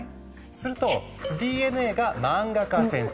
するとＤＮＡが漫画家先生。